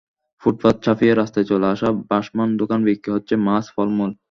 ফুটপাত ছাপিয়ে রাস্তায় চলে আসা ভাসমান দোকানে বিক্রি হচ্ছে মাছ, ফলমূল।